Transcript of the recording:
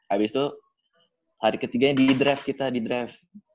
abis itu hari ketiganya di drive kita di drive